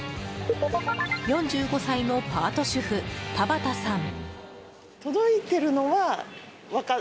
４５歳のパート主婦、田畑さん。